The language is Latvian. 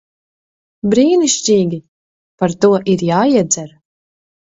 Brīnišķīgi. Par to ir jāiedzer.